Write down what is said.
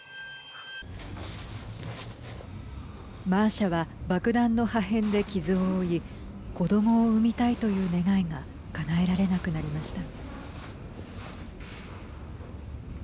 マーシャは爆弾の破片で傷を負い子どもを産みたいという願いがかなえられなくなりました。